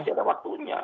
masih ada waktunya